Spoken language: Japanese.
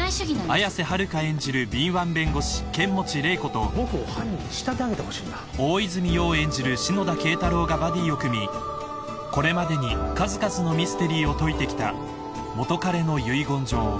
［綾瀬はるか演じる敏腕弁護士剣持麗子と大泉洋演じる篠田敬太郎がバティを組みこれまでに数々のミステリーを解いてきた『元彼の遺言状』］